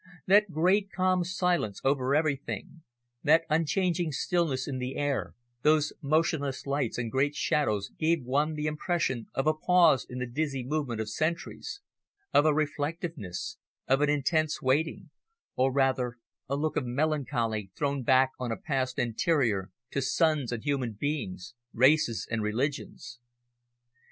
That great, calm silence over everything, that unchanging stillness in the air, those motionless lights and great shadows gave one the impression of a pause in the dizzy movement of centuries, of a reflectiveness, of an intense waiting, or rather a look of melancholy thrown back on a past anterior to suns and human beings, races and religions.